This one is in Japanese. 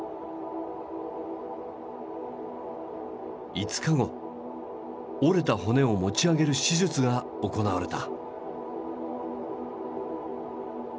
５日後折れた骨を持ち上げる手術が行われた。